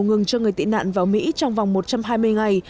ngừng cho người tị nạn vào mỹ trong vòng một trăm hai mươi ngày